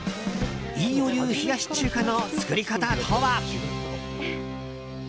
飯尾流冷やし中華の作り方とは。